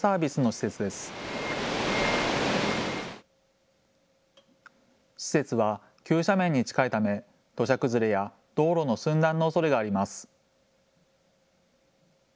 施設は急斜面に近いため土砂崩れや道路の寸断のおそれがあります。